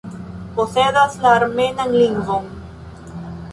Posedas la armenan lingvon.